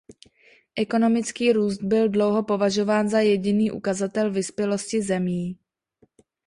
Ekonomický růst byl dlouho považován za jediný ukazatel vyspělosti zemí.